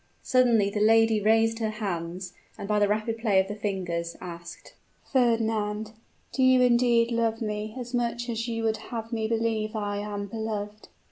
Suddenly the lady raised her hands, and by the rapid play of the fingers, asked, "Fernand, do you indeed love me as much as you would have me believe I am beloved?"